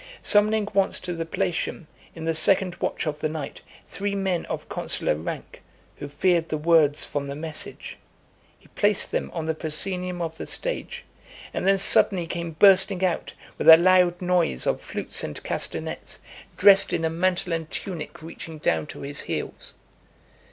Summoning once to the Palatium, in the second watch of the night , three men of consular rank, who feared the words from the message, he placed them on the proscenium of the stage, and then suddenly came bursting out, with a loud noise of flutes and castanets , dressed in a mantle and tunic reaching down to his heels.